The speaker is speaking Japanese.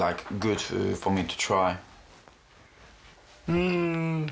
うん。